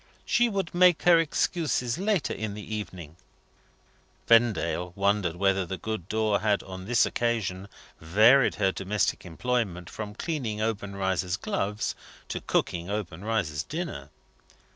She would make her excuses later in the evening." Vendale wondered whether the good Dor had, on this occasion, varied her domestic employment from cleaning Obenreizer's gloves to cooking Obenreizer's dinner.